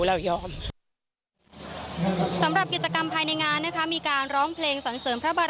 เรายอมสำหรับกิจกรรมภายในงานนะคะมีการร้องเพลงสรรเสริมพระบาท